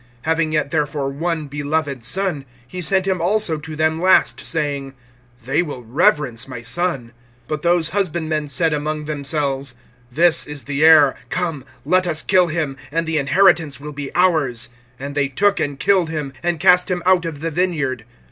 (6)Having yet therefore one beloved son, he sent him also to them last, saying: They will reverence my son. (7)But those husbandmen said among themselves: This is the heir; come, let us kill him, and the inheritance will be ours. (8)And they took, and killed him, and cast him out of the vineyard.